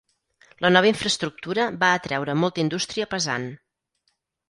La nova infraestructura va atreure molta indústria pesant.